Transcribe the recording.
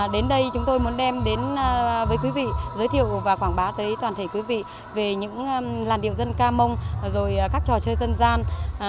đến đây chúng tôi muốn đem đến với quý vị giới thiệu và quảng bá tới toàn thể quý vị về những làn điệu dân ca mông rồi các trò chơi dân gian